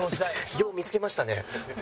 よう見付けましたね。